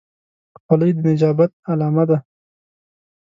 خولۍ د نجابت علامه ده.